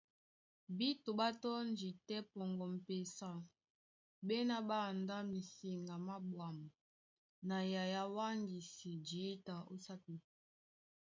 Bíto ɓá tɔ́ndi tɛ́ pɔŋgɔ m̀pesa, ɓá ená ɓá andá misiŋga má ɓwǎm̀ na nyay a wáŋgisi jǐta ó sápi.